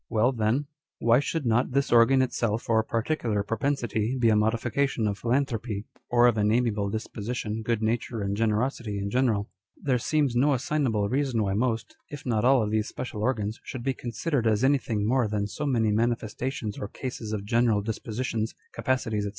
Well then, why should not this organ itself or particular propensity be a modification of 1 Page 275. On Dr. Spurzlieitn's Theory. 215 philanthropy, or of an amiable disposition, good nature, and generosity in general? There seems no assignable reason why most, if not all of these special organs should be considered as anything more than so many manifesta tions or cases of general dispositions, capacities, &c.